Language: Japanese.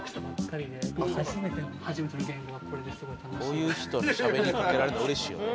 「こういう人にしゃべりかけられると嬉しいよね」